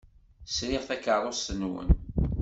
Sriɣ takeṛṛust-nwen.